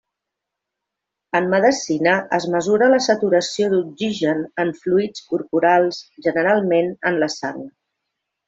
En medicina es mesura la saturació d'oxigen en fluids corporals generalment en la sang.